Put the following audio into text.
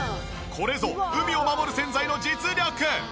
これぞ海をまもる洗剤の実力！